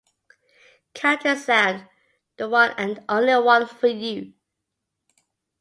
County Sound, the one and only one for you.